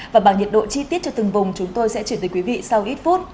và bằng nhiệt độ chi tiết cho từng vùng chúng tôi sẽ chuyển tới quý vị sau ít phút